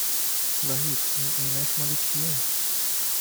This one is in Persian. وحید اون عینک مال کیه؟